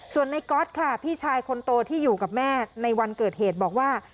ส่วนในก๊อตค่ะพี่ชายคนโตที่อยู่กับแม่ในวันเกิดเหตุบอกว่า